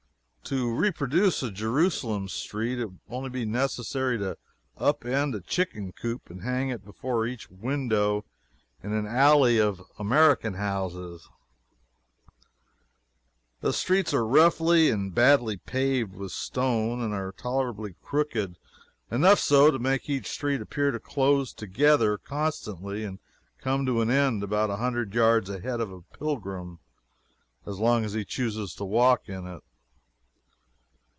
To reproduce a Jerusalem street, it would only be necessary to up end a chicken coop and hang it before each window in an alley of American houses. The streets are roughly and badly paved with stone, and are tolerably crooked enough so to make each street appear to close together constantly and come to an end about a hundred yards ahead of a pilgrim as long as he chooses to walk in it.